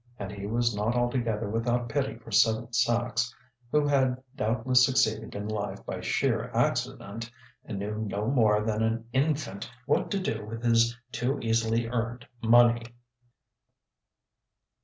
And he was not altogether without pity for Seven Sachs, who had doubtless succeeded in life by sheer accident and knew no more than an infant what to do with his too easily earned money.